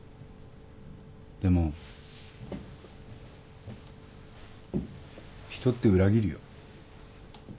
でも人って裏切るよ。